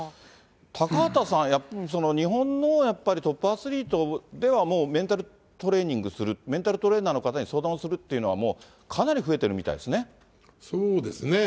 高畑さん、やっぱり日本のトップアスリートではもう、メンタルトレーニングする、メンタルトレーナーの方に相談をするっていうのは、かなり増えてそうですね。